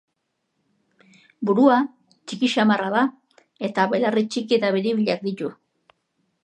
Burua txiki samarra da eta belarri txiki eta biribilak ditu.